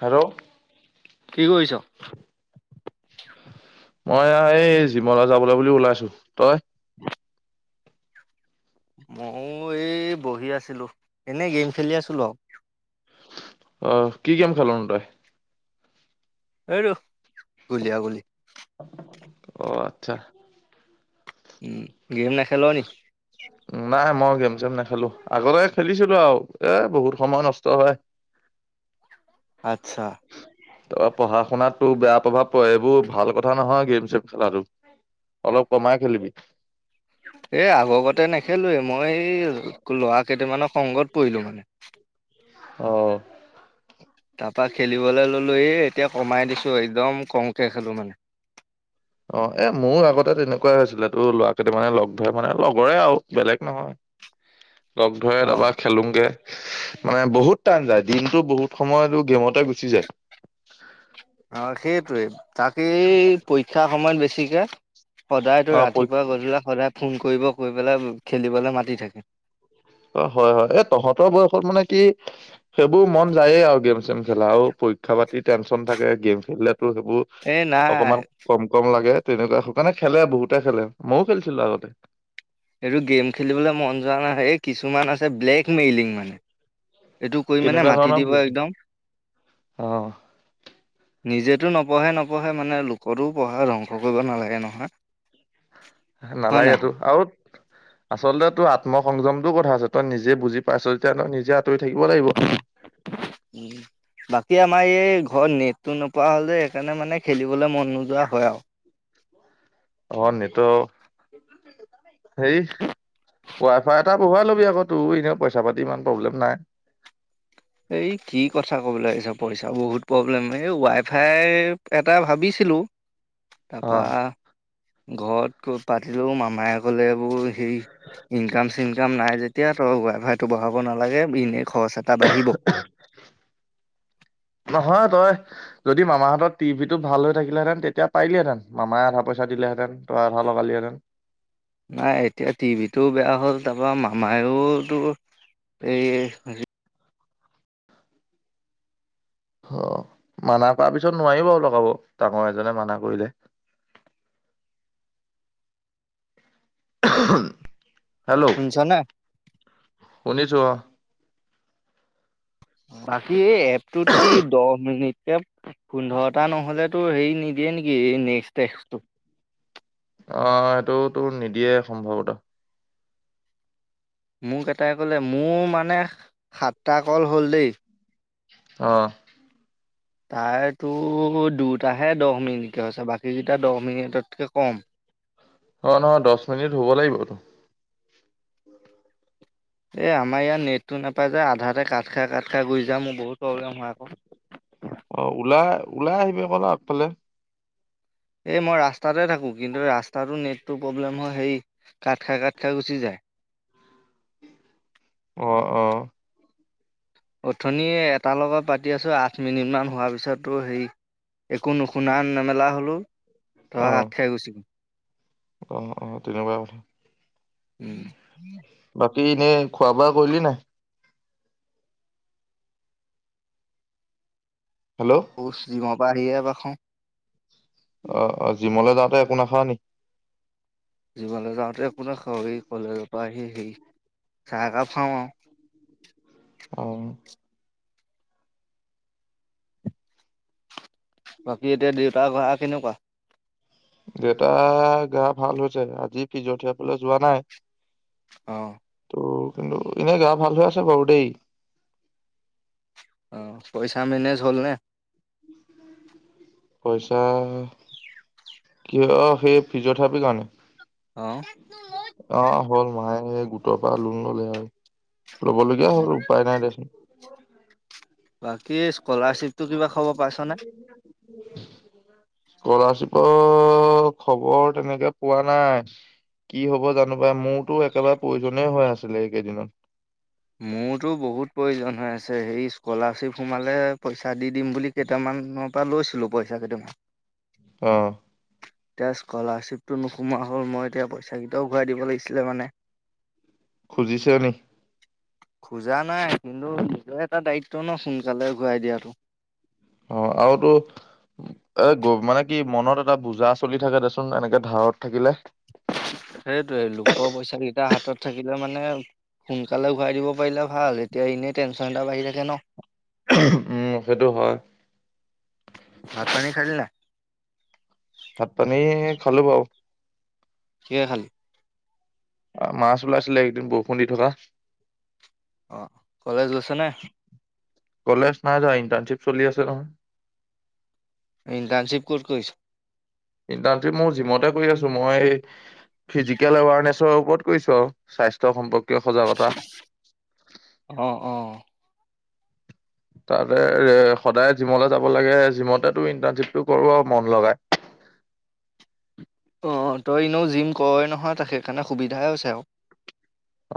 Hello! কি কৰিছ? মই এই জিমলে যাবলৈ বুলি ওলাইছো, তই? মই এই বহি আছিলো এনেই গেম খেলি আছিলো আৰু। আহ কি গেম খেল নো তই? সেইটো গুলিয়া গুলী। অ আচ্ছা! উম গেম নেখেল নি? নাই মই গেম-চেম নেখেলো আগতে খেলিছিলো আৰু এ বহুত সময় নষ্ট হয়। আচ্ছা। তাৰপৰা পঢ়া-শুনাতো বেয়া প্ৰভাৱ পৰে এইবোৰ ভাল কথা নহয় গেম-চেম খেলাটো। অলপ কমাই খেলিবি। এ আগকতে নেখেলোয়ে, মই এই ল'ৰাকেইটামানৰ সংগত পৰিলো মানে। অ'। তাৰপা খেলিবলৈ ললোহি এতিয়া কমাই দিছো একদম কমকৈ খেলো মানে। অ', এ মোৰো আগতে তেনেকুৱাই হৈছিলে তো, ল'ৰাকেইটা মানে লগ ধৰে মানে লগৰে আও বেলেগ নহয়। [inaudible] লগ ধৰে অ তাৰপা খেলোঙগে মানে বহুত টাইম যায়, দিনটোৰ বহুত সময়টো গেমতে গুচি যায়। আ', সেইটোৱেই তাকেই পৰীক্ষাৰ সময়ত বেছিকে সদায় অ তোৰ ৰাতিপুৱা পৰীক্ষা গধূলা সদায় ফোন কৰিব, কৰি পেলাই খেলিবলে মাতি থাকে। অ' হয় হয়, এ তহঁতৰ বয়সত মানে কি সেইবোৰ মন যায়েই আও গেম-চেম খেলা আৰু পৰীক্ষা পাতি টেনচন থাকে, গেম খেলিলো তোৰ সেইবোৰ এ নাই অকমান কম-কম লাগে। তেনেকুৱা, সেইকাৰণে খেলে বহুতে খেলে। মইও খেলিছিলো আগতে। এইটো গেম খেলিবলে মন যোৱা নাই, এই কিছুমান আছে ব্লেক মেইলিং মানে। এইটো কৰি মানে কেনেকুৱা মাতি ধৰণৰ দিব বিলাক একদম, অ নিজে নিজেটো নপঢ়ে-নপঢ়ে মানে লোকৰটো পঢ়া ধ্বংস কৰিব নালাগে নহয়। হয় নাই নালাগেটো বাৰু? আও, আচলতে এইটো আত্ম সংযমটোৰ কথা আছে, তই নিজে বুজি পাইছ যেতিয়া অলপ নিজে আঁতৰি থাকিব লাগিব [unintelligible] বাকী আমাৰ আমাৰ এই ঘৰত নেটতো নোপোৱা হলে যে সেইকাৰণে মানে খেলিবলে মন নোযোৱা হয় আও। অ', নেটৱৰক হেৰি ৱাই ফাই এটা বহুৱাই ল'বি আক, তোৰ এনেও পইচা-পাতি ইমান প্ৰব্লেম নাই। এই কি কথা কবলে আহিছ পইচা বহুত প্ৰব্লেম, এই ৱাই ফাই এটা ভাবিছ ভাবিছিলোঁ, অ তাৰপা ঘৰত গৈ পাতিলোঁ মামাই কলে তোৰ সেই, ইনকাম-চিনকাম নাই যেতিয়া তই ৱাই ফাইটো বঢ়াব নালাগে বি খৰচ এটা বাঢ়িব। [inaudible] নহয় তই, যদি মামাহতৰ টি ভিটো ভাল হৈ থাকিলেঁতেন তেতিয়া পাৰিলিহেঁতেন মামাই আধা পইচা দিলে হেতেন তই আধা লগালিহেতেন। নাই এতিয়া টি ভিটো বেয়া হ'ল, তাৰপা মামাওতো এই অ', মানা কৰা পিছত নোৱাৰিব বাওঁ লগাব, ডাঙৰ এজনে মানা কৰিলে। [inaudible] হেল্ল', শুনিছনে? শুনিছো অ'। বাকী এই এপটোত কি দহ মিনিটকে পোন্ধৰটা নহলেতো হেৰি নিদি য়ে নেকি এ নেক্সট্ তেকচটো অ', সেইটো তোৰ নিদিয়ে সম্ভৱত। মোক এটাই ক'লে, মোৰ মানে সাতটা কল হ'ল দেই। অ'। তাইৰটো দুটাহে দহ মিনিটকে হৈছে, বাকীকিটা দহ মিনিটতকে কম। অ', নহয় দচ মিনিট হব লাগিব ইটো। এ আমাৰ ইয়াত নেটটো নাপায় যে, আধাতে কাট খাই কাট খাই গুচি যায় মোৰ বহুত প্ৰব্লেম হয় আকৌ। [inaudible] অ', ওলাই ওলাই আহিবি অকন আগফালে। এই মই ৰাস্তাতে থাকো, কিন্তু ৰাস্তাটো নেটটো প্ৰব্লেম হয় সেই কাট খাই কাট খাই গুচি যায়। [inaudible] অ অ অথনি এটাৰ লগত পাতি আছো আঠ মিনিট মান হোৱাৰ পিছ তোৰ হেৰি একো নুশুনা নেমেলা হ'লো, ধৰা কাট খাই গুচি গল। অহ' অহ', তেনেকুৱায়ে কথা। উম বাকী এনেই খোৱা বোৱা কৰিলি নাই। হেল্ল' পচ যিমৰ পৰা আহি হে ভাত খাওঁ। অঁ অঁ জিমলে যাওঁতে একো নাখাৱ নি জীমলৈ যাওঁতে একো নাখাৱ কলেজৰ পৰা আহি সেই চাহ একাহ খাওঁ আওঁ। [unintelligible] অঁ বাকী এতিয়া দেউতা ঘঁহা কেনেকুৱা দেউতা গা ভাল হৈছে আজি ফিজিঅ থেৰাপি লৈ যোৱা নাই। অহঁ। অঁ কিন্তু এনেই গা ভাল হৈ আছে বাৰু দেই। অঁ পইচাঁ মেনেজ হ'ল নে। পইচাঁ। কি অঁ সেই ফিজিঅথেৰাপিৰ কাৰণে অঁ। অঁ, হ'ল মায়ে সেই গোটৰপৰা লোন ল'লে আও। ল'ব লগীয়া হ'ল। উপায় নাই দেচোন। বাকি, স্কলাৰশ্বিপটো কিবা খবৰ পাইছনে? অঁ খবৰ তেনেকে পোৱা নাই। কি হ'ব জানো পাই? মোৰটো একেবাৰে প্ৰয়োজনে হৈ আছিলে এইকেইদিনত। ছে হেৰি, স্কলাৰশ্বিপ সোমালে পইঁচা দি দিম বুলি কেইটামানক পা লৈছিলোঁ পইঁচা কেইটামান। অঁ এতিয়া স্কলাৰশ্বিপটো নোসোমোৱা হ'ল। মই এতিয়া পইঁচা কেইটাও ঘূৰাই দিব লাগিছিলে মানে। খুজিছে নি? খোজা নাই কিন্তু নিজৰ এটা দায়িত্ব ন' সোনকালে ঘূৰাই দিয়াটো। অঁ আওটো এ গ, মানে কি, মনত এটা বুজা চলি থাকে দেচোন, এনেকে ধাৰত থাকিলে। সেইটোৱে লোকৰ পইঁচা কেইটা হাতত থাকিলে মানে সোনকালে ঘূৰাই দিব পাৰিলে ভাল। এতিয়া এনেই টেন্‌শ্বন এটা বাঢ়ি থাকে ন'। উম, সেইটো হ'য়। ভাত- পানী খালি নাই? ভাত- পানী খালো বাওঁ। কিহে খালি? অঁ, মাছ ওলাইছিলে এইকেইদিন বৰষুণ দি থকা। অঁ, কলেজ গৈছ নে? কলেজ নাইযোৱা। ইন্টাৰ্নশ্বিপ চলি আছে নহয়। ইণ্টাৰ্নশ্বিপ ক'ত কৰিছ? ইণ্টাৰ্নশ্বিপ মোৰ জিমতে কৰি আছো। মই এই ফিজিকেল এৱাৰনেছৰ ওপৰত কৰিছো আও। স্বাস্থ্য সম্প- কীয় সজাগতা। অ' অ'। তাতে, সদায় জিমলে যাব লাগে। জিমতেটো ইণ্টাৰ্নশ্বিপটো কৰো আও মন লগাই। [unintelligible] অঁ, তই এনেও জিম কৰই নহয়। তাত সেইকাৰণে সুবিধাই হৈছে আও।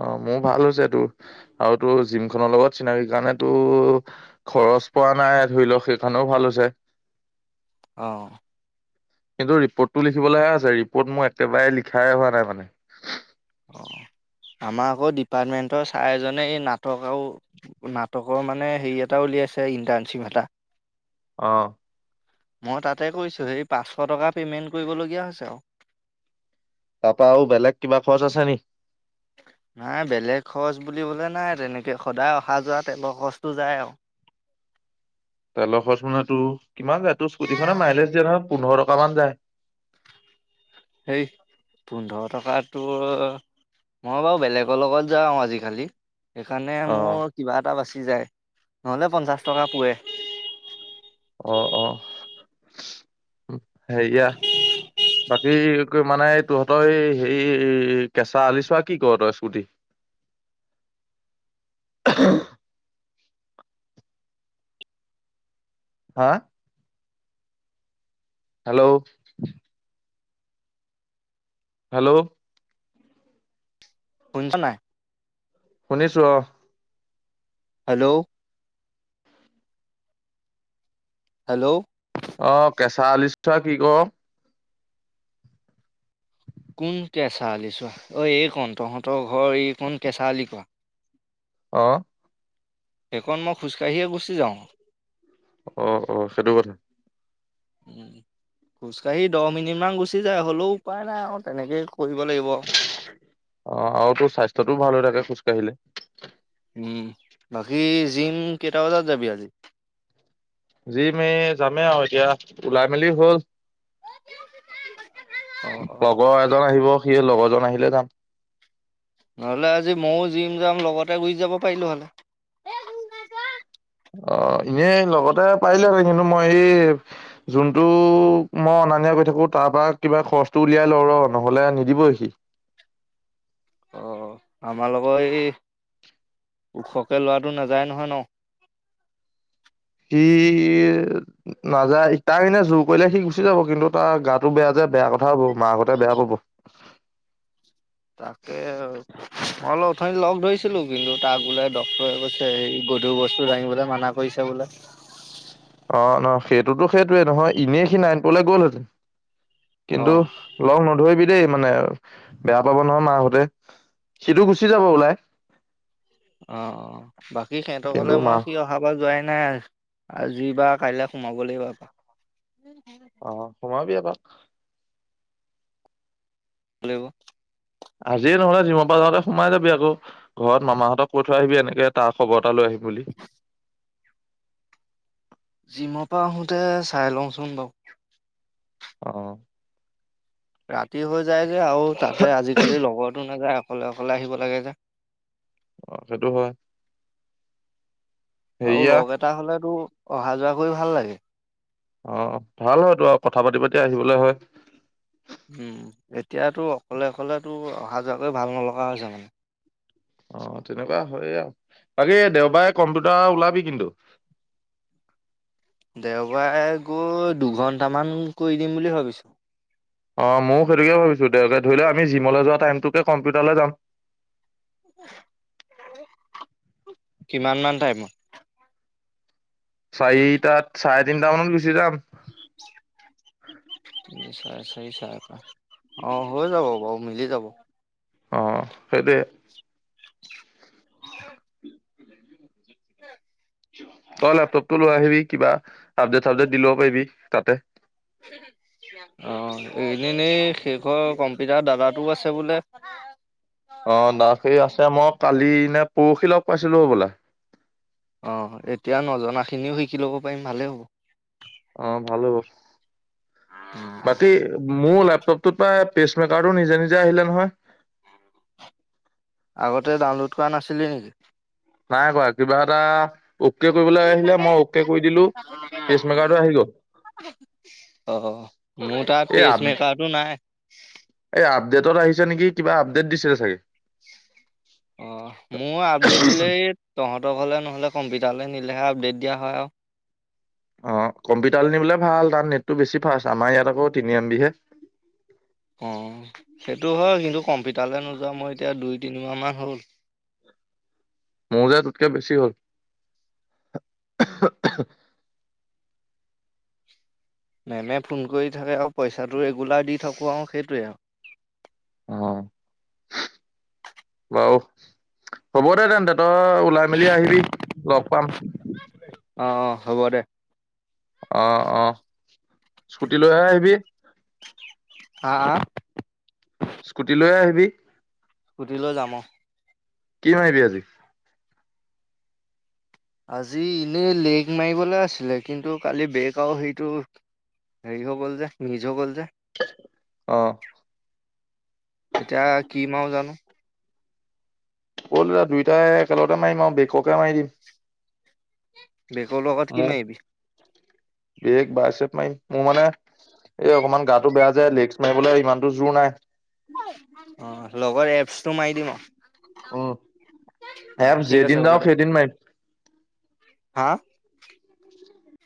অঁ, মোৰ ভাল হৈছেটো আৰু তোৰ জিম খনৰ লগত চিনাকি কাৰণেটো খ্‌ খৰচ পোৱা নাই। ধৰিলওক, সেইকাৰণেও ভাল হৈছে। অ'। কিন্তু ৰিপৰ্তটো লিখিবলৈহে আছে, ৰিপৰ্ট মোৰ একেবাৰে লিখাই হোৱা নাই। মানে অঁ আমাৰ আকৌ ডিপাৰ্টমেন্টৰ ছাৰ এজনে এই নাটক আৰু নাটকৰ মানে হেৰি, এটা উলিয়াই আছে ইণ্টাৰ্নশ্বিপ এটা। অঁহ মই তাতে কৰিছোঁ, সেই পাঁচশ টকা পেমেন্ট কৰিবলগীয়া হৈছে আও। তাপা আৰু বেলেগ কিবা খৰচ আছে নি? নাই, বেলেগ খৰছ বুলিবলে নাই। তেনেকে সদায় অ হা যোৱা, তেলৰ খৰছটো যায় আও। তেলৰ খৰছ মানে টো, কিমান যায়? তোৰ স্কুটিখনে মাইলেজ দিয়ে নহ'য়। পোন্ধৰ টকা মান যায়। উ [unintelligible] এইট পোন্ধৰত। থকাটো, মই বাৰু বেলেগৰ লগত যাওঁ আজি-কালি। সেইকাৰণে অ', মোৰ কিবা এটা বাচে। যায়, নহ'লে পঞ্চাছ টকা পোৱে। অঁ, অঁ সেইয়া বা এই কে মানে তহঁতৰ, এই হেৰি কেঁচা আলিছোৱাত কি ক তই স্কুটি? [unintelligible] আহ হা হেল্ল' হেল্ল' শুনিছো নাই শুনিছো অ হেল্ল' হেল্ল' অ কেঁচা আলিচোৱা কি ক কোন কেঁচা আলি চোৱা অ ঐ এই কণ তহঁতৰ ঘৰ এই কণ কেঁচা আলি কোৱা। আহ সেইকণ মই খোজকাঢ়িয়ে গুচি যাওঁ। অ অ সেইটো কথা উম খোজ কাঢ়ি দহ মিনিট মান গুচি যায় হ'লেও উপায় নাই আৰু তেনেকেই কৰিব লাগিব অ আৰু তোৰ স্বাস্থ্যটোও ভাল হৈ থাকে খোজকাঢ়িলে উম বাকী জিম কেইটা বজাত যাবি আজি যি ম যামেই আৰু এতিয়া ওলাই মেলি হল। অ অ লগৰ এজন আহিব সি লগৰজন আহিলে যাম। নহলে আজি ময়ো যিম যাম লগতে গুচি যাব পাৰিলো হলে। অ এনেই লগতে পাৰিলেহ কিন্তু মই এই যোনটো মই অনান কৈ থাকো তাৰ পৰা কিবা খৰচটো উলিয়াই লওঁ ৰ নহলে নিদিব সি অ আমাৰ লগত এই ওখকে লোৱাটো নাযায় নহয় ন ই নাযায় তাৰ কাৰে জোৰ কৰিলে সি গুচি যাব কিন্তু তাৰ গাটো বেয়া যে বেয়া কথা কথা হ'ব মাক আগতে বেয়া কব। [inaudible] তাকে অল উথ লগ ধৰিছিলো কিন্তু তাক বোলে ড্টৰে কৈছে হৰি গধুৰ বস্তু দাঙিবলৈ মানা কৰিছে বোলে অ নহ সেইটোতো সেইটয়ে নহয় এনেই সিনি আনটোলৈ গ'লহেঁতেন অ', কিন্তু অ', লগ নধৰিবি। দেই মানে বেয়া পাব নহয় মাহাহঁতে সেইটো গুচি যাব ওলাই অ বাকী সিহঁতক কিন্তু হলে মা মই সি অহাৰ বা যোৱাই নাই আৰু আজি বা কাইলে সোমাব লাগিব আ অ সোমাবি আকৌ ত হেল্ল' আজিয়ে নহলে যিমৰ পৰা যাওঁতে সোমাই যাবি আকৌ ঘৰত মামাহঁতক কৈ থৈ আহিবি এনেকে তাৰ খবৰ তালৈ আহিম বুলি। জিমৰ পৰা আহোতে চাই লওঁচোন বাৰু। অ। ৰাতি হৈ যায় যে আৰু তাতে আজিকালি লগৰো নাযায়। অকলে অকলে আহিব লাগে যে। অ সেইটো হয়। আৰু হেৰিয়া লগ এটা হলেতো অহা যোৱা কৰি ভাল লাগে। অ ভাল হয়তো আৰু কথা পাতি পাতি আহিবলে হয়। উম এতিয়াতো অকলে অকলেতো অহা যোৱাকৈ ভাল নলগা হৈছে মানে। অ তেনেকুৱা হয়ে আৰু বাকী দেওবাৰে কম্পিউটাৰ ওলাবি কিন্তু। [unintelligible] দেওবাৰে গৈ দুঘন্টামান কৰি দিম বুলি ভাবিছো। দ ধ ধৰি লও আমি জিমলৈ যোৱা টাইমটোকে কম্পিউটাৰলৈ যাম। কিমান মান টাইমত? চাৰিটাত চাৰে তিনটা মানত গুচি যাম। তিনি চাৰে চাৰি চাৰে অ হৈ যাব বাৰু মিলি যাব। অ সেই দে [unintelligible] [unintelligible] তই লেপটপটো লৈ আহিবি কিবা আপডেট চাবডেট দি লব পাৰিবি তাতে। [unintelligible] অ এনেই এনেই শেষৰ কম্পিটাৰ দাদাটো আছে বোলে। অ দাসেই আছে মই কালি নে পৰহি লগ পাইছিলো বোলে। অ এতিয়া নজনা খিনিও শিকি ল'ব পাৰিম ভালেই হ'ব। অ ভাল হব বাকী, মোৰ লেপটপ টোত পেচমেকাৰটো নিজে নিজে আহিলে নহয়। আগতে ডাউনলোড কৰা নাছিলি নেকি? নাই কৰা কিবা এটা অকে কৰিবলৈ আহিলে মই অকে কৰি দিলো, পেছ মেকাৰটো আহি গ'ল। অ মোৰ তাত এই আপডেট পেচমেকাৰটো নাই। এই আপডেটত আহিছে নেকি কিবা আপডেট দিছিলে চাগে। অ মোৰ আপডেট দিলে, এই তহঁত নহ'লে কম্পিউটাৰলৈ নিলেহে আপডেট দিয়া হয় আৰু। অ কম্পিউটাৰ নিবলে ভাল তাৰ নেটটো বেছি ফাৰ্ষ্ট আমাৰ ইয়াত আকৌ তিনি এমবিহে অ সেইটো হয় কিন্তু কম্পিউটাৰলৈ নোযোৱা মই এতিয়া দুই তিনিমাহ মান হল। মোৰ যে টোতকে বেছি হ'ল। অহু অহু মেমে ফোন কৰি থাকে আৰু পইচাটো ৰেগুলাৰ দি থাকোঁ আৰু সেইটোৱেই আৰু। [unintelligible] অ হ'ব দে তেন্তে তই ওলাই মেলি আহিবি, লগ পাম। অ', অ', হ'ব দে। অ অ স্কুটি লৈহে আহিবি। আ আ! স্কুটি লৈহে আহিবি? স্কুটি লৈ যাম। কি মাৰিবি আজি? আজি এনেই লেগ মাৰিবলৈ আছিলে কিন্তু কালি বেগ আৰু সেইটো হেৰি হৈ গ'ল যে নিজৰ গ'ল যে অ। এতিয়া কি মাও জানো। ক'ল দাদা দুইটাই একেলগতে মাৰিম আৰু বেককে মাৰি দিম বেকৰ লগত কি মোৰ মাৰিবি। বেক বাইছেপ মাৰিম মোৰ মানে। এই অকনমান গাটো বেয়া যে লেগছ মাৰিবলৈ ইমানতো জোৰ নাই অঁ লগৰ এপচটো মাৰি দিম আওঁ। উ এপছ যেইদিন যাওঁ সেইদিন মাৰিম হাঁ